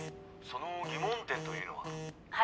その疑問点というのは？